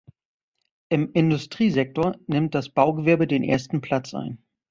Im Industriesektor nimmt das Baugewerbe den ersten Platz ein.